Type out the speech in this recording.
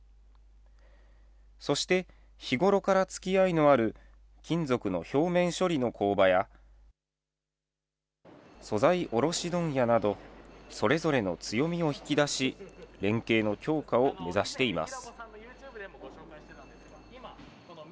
そして、日頃からつきあいのある金属の表面処理の工場や、素材卸問屋など、それぞれの強みを引き出し、連携の強化を目指しています。